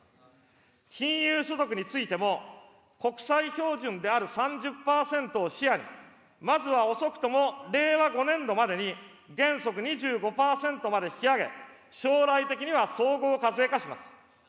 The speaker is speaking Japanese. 金融所得についても、国際標準である３０％を視野に、まずは遅くとも令和５年度までに原則２５％まで引き上げ、将来的には総合課税化します。